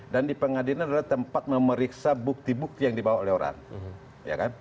dan di pengadilan adalah tempat memeriksa bukti bukti yang dibawa oleh orang